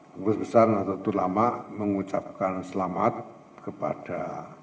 bapak ibu besar nato tulama mengucapkan selamat kepada